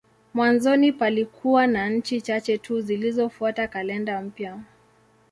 Mwanzoni palikuwa na nchi chache tu zilizofuata kalenda mpya.